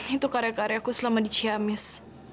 itu karya karyaku selama di ciamis